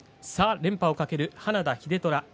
連覇を懸ける、花田秀虎